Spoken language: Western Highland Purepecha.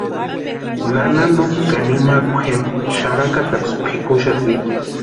Nana Lupa ka nimawka jempa xarakataksï pʼikuxati.